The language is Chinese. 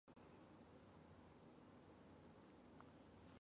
莫斯基兴是奥地利施蒂利亚州沃茨伯格县的一个市镇。